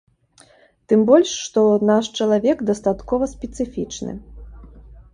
Тым больш, што наш чалавек дастаткова спецыфічны.